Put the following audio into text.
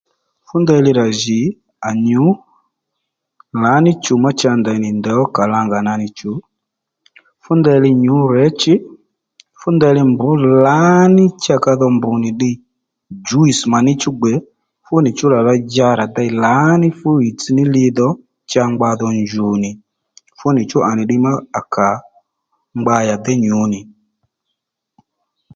Fú ndeyli ra jì à nyǔ lǎ ní chù má cha ndèy nì ndèy ó kalanga nǎnì chù fú ndeyli nyǔ rěchí fú ndeyli mbrř lǎ ní cha ka dho mbrr̀ ní ddiy jǔiss mà ní chú gbè fú nì chú rà ley dja rà dey lǎ ní fú hìytss ní li dho cha ngba dho njù nì fú nì chú nì ddiy má à kà ngba yà déy nyǔ nì